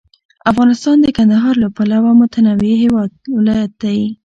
افغانستان د کندهار له پلوه متنوع ولایت دی.